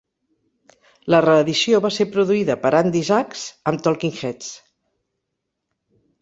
La reedició va ser produïda per Andy Zax amb Talking Heads.